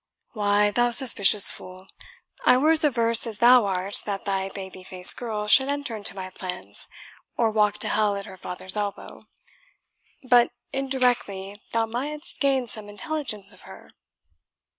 "Why, thou suspicious fool, I were as averse as thou art that thy baby faced girl should enter into my plans, or walk to hell at her father's elbow. But indirectly thou mightst gain some intelligence of her?"